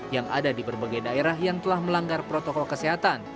yang ada di berbagai daerah yang telah melanggar protokol kesehatan